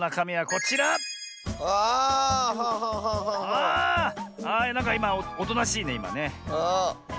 ああなんかいまおとなしいねいまね。